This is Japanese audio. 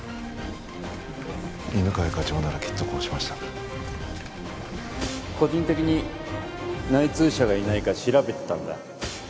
犬飼課長ならきっとこうしました個人的に内通者がいないか調べてたんだ